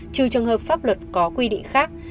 trừ trường hợp pháp luật có quy định khác